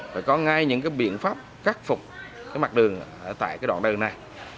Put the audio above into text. phải có ngay những biện pháp cắt phục mặt đường tại đoạn đường này